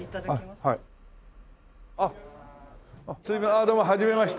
あっどうもはじめまして。